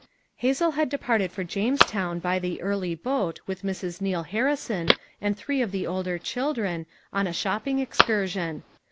" Hazel had departed for Jamestown by the early boat with Mrs. Neal Harrison and three of the older children, on a shopping excursion.